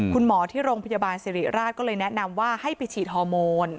คุณหมอที่โรงพยาบาลสิริราชก็เลยแนะนำว่าให้ไปฉีดฮอร์โมน